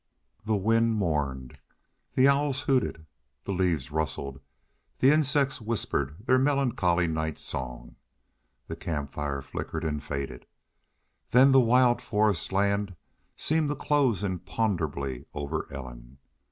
The wind mourned, the owls hooted, the leaves rustled, the insects whispered their melancholy night song, the camp fire flickered and faded. Then the wild forestland seemed to close imponderably over Ellen.